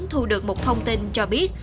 thu được một thông tin cho biết